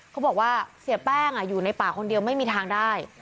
เขาบอกว่าเสียแป้งอยู่ในป่าคนเดียวไม่มีทางได้